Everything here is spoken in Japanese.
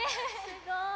すごい。